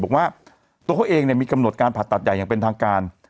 บอกว่าตัวเขาเองมีกำหนดการผ่าตัดใหญ่อย่างเป็นทางการ